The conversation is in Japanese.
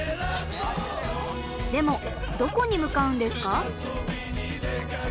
でもどこに向かうんですか？